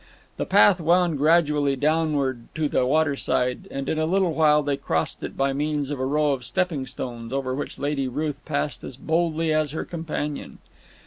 The path wound gradually downward to the waterside, and in a little while they crossed it by means of a row of stepping stones over which Lady Ruth passed as boldly as her companion.